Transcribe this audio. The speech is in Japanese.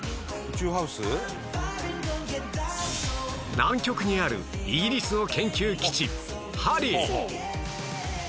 南極にあるイギリスの研究基地ハリー